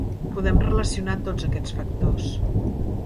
Podem relacionar tots aquests factors.